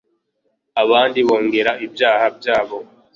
abandi bongera ibyaha byabo